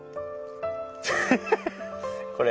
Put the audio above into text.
フフフこれ。